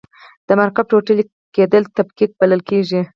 د مرکب ټوټه کیدل تفکیک بلل کیږي.